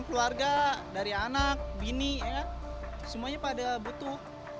keluarga dari anak bini semuanya pada butuh